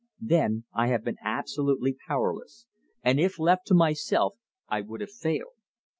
Then I have been absolutely powerless, and if left to myself, I would have failed.